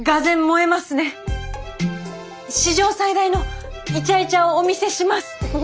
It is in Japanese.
史上最大のイチャイチャをお見せします。